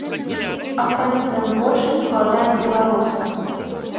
Абсалютную большасць складаюць беларусы.